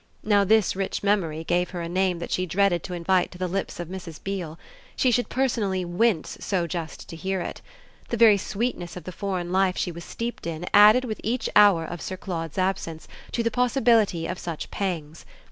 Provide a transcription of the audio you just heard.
Now this rich memory gave her a name that she dreaded to invite to the lips of Mrs. Beale: she should personally wince so just to hear it. The very sweetness of the foreign life she was steeped in added with each hour of Sir Claude's absence to the possibility of such pangs.